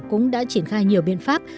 cũng đã triển khai nhiều biện pháp